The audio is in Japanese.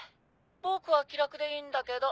僕は気楽でいいんだけど。